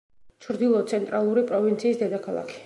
ჩრდილო–ცენტრალური პროვინციის დედაქალაქი.